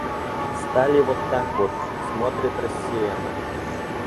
Стали вот так вот — смотрят рассеянно.